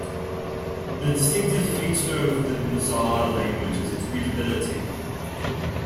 The distinctive feature of the Mizar language is its readability.